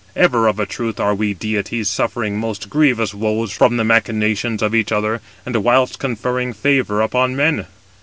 Ever, of a truth, are we deities suffering most grievous woes from the machinations of each other, and [whilst] conferring favour upon men.